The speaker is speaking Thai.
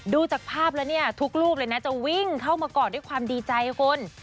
ดูจากภาพแล้วเนี่ยทุกรูปเลยนะจะวิ่งเข้ามากอดด้วยความดีใจคุณ